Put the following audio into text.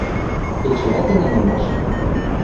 — Эчеӓт ӹнянӹмӓш?